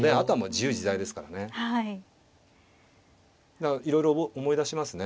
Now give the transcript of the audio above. だからいろいろ思い出しますね。